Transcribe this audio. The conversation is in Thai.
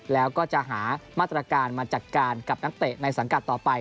แล้วก็จะหามาตรการมาจัดการกับนักเตะในสังกัดต่อไป